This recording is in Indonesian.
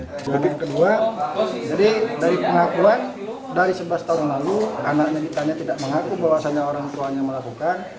jadi dari pengakuan dari sebelas tahun lalu anaknya ditanya tidak mengaku bahwasannya orang tuanya melakukan